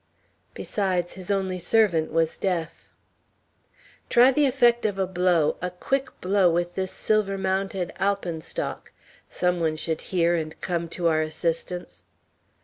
"Besides, his only servant was deaf." "Try the effect of a blow, a quick blow with this silver mounted alpenstock. Some one should hear and come to our assistance."